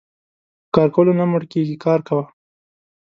په کار کولو نه مړکيږي کار کوه .